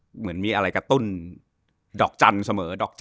เหมือนมีอะไรกระตุ้นดอกจันทร์เสมอดอกจัน